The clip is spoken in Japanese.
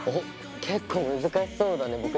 結構難しそうだね。